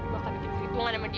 bakal bikin cerituan sama dia